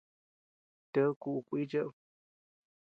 Ted kuʼu kui cheʼed.